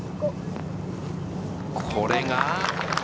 これが。